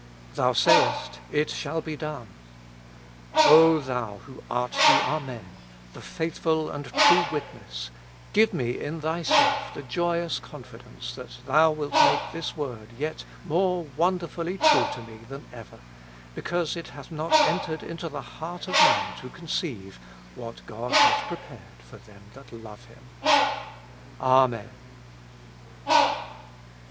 Thou sayest : It shall be dojie. O thou who art the the Amen, the Faithful and True Witness, give me in Thyself the joyous (Confidence that Thou wilt make this word yet more wonderfully true to me than ever, because it hath not entered into the heart of man to conceive what God hath prepared for them that love Him. Amen.